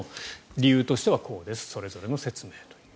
理由としてはこうですそれぞれの説明という。